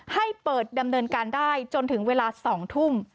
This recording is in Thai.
ให้เปิดดำเนินการได้จนถึงเวลา๒ทุ่ม